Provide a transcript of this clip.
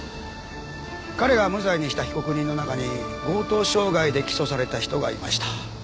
彼が無罪にした被告人の中に強盗傷害で起訴された人がいました。